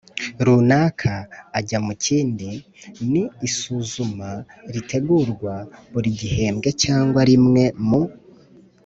runaka ajya mu kindi. Ni isuzuma ritegurwa buri gihembwe cyangwa rimwe mu